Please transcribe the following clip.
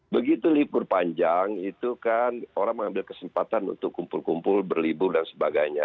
begitu libur panjang itu kan orang mengambil kesempatan untuk kumpul kumpul berlibur dan sebagainya